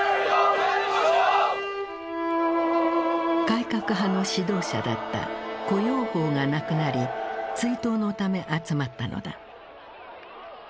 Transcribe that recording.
改革派の指導者だった胡耀邦が亡くなり追悼のため集まったのだ。